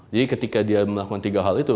jadi ketika dia melakukan tiga hal itu